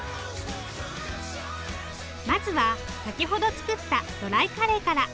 まずは先ほど作ったドライカレーから。